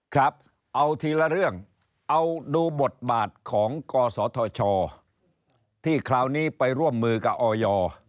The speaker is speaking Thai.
ดูทีละเรื่องดูบทบาทของกศธชที่คราวนี้ไปร่วมมือกับอย